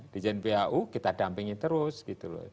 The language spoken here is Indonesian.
djn phu kita dampingin terus gitu loh